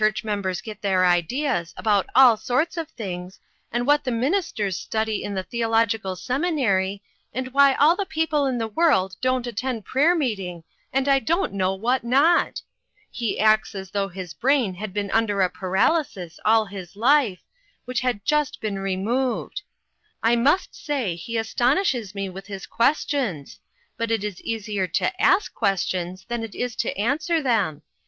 309 church members get their ideas about all sorts of things, and what the ministers study in the theological seminary, and why all the people in the world don't attend prayer meeting, and I don't know what not ! He acts as though his brain had been under a paralysis all his life, which had just been removed. I must say he astonishes me with his questions ; but it is easier to ask ques tions than it is to answer them.